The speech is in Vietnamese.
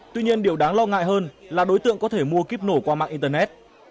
tuy nhiên điều đáng lo ngại hơn là đối tượng có thể mua kíp nổ qua mạng internet